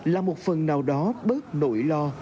là một phần nào đó bớt nổi lo